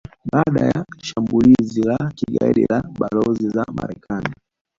baada ya shambulizi la kigaidi la balozi za Marekani